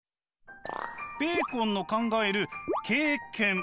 ベーコンの考える経験。